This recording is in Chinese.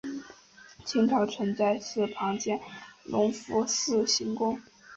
清朝曾在寺旁建有隆福寺行宫。